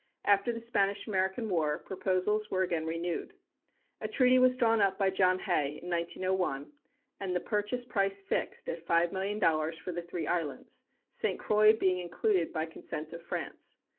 After the Spanish American War, proposals were again renewed. A treaty was drawn up by John Hay in 1901, and the purchase price fixed at five million dollars for the three islands, St. Croix being included by consent of France.